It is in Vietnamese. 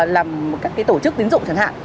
làm các cái tổ chức tín dụng chẳng hạn